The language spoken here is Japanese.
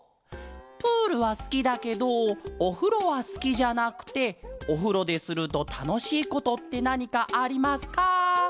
「プールはすきだけどおふろはすきじゃなくておふろでするとたのしいことってなにかありますか？」。